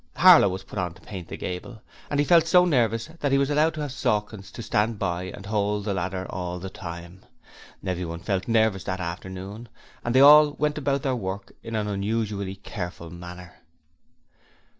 Harlow was put on to paint the gable, and he felt so nervous that he was allowed to have Sawkins to stand by and hold the ladder all the time. Everyone felt nervous that afternoon, and they all went about their work in an unusually careful manner.